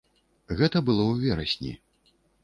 Гэта было ў верасні.